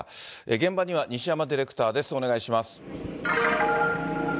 現場には西山ディレクターです、お願いします。